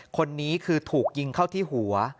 คนนี้คือถูกยิงเข้าที่หัว